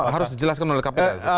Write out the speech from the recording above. harus dijelaskan oleh kpk